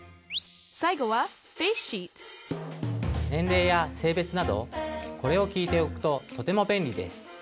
最後はフェイスシート年齢や性別などこれを聞いておくととても便利です。